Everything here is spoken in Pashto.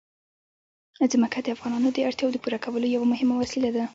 ځمکه د افغانانو د اړتیاوو د پوره کولو یوه مهمه وسیله ده.